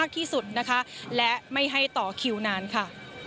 ที่สุดนะคะและไม่ให้ต่อคิวนานค่ะ